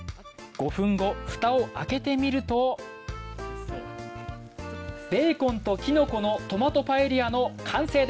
５分後フタを開けてみるとベーコンとキノコのトマトパエリアの完成です！